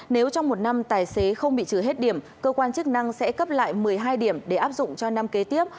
nếu trong một năm tài xế không bị trừ hết điểm cơ quan chức năng sẽ cấp lại một mươi hai điểm để áp dụng cho năm kế tiếp